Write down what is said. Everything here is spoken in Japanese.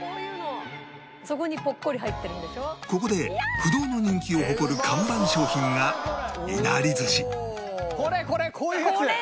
ここで不動の人気を誇る看板商品がこれこれ！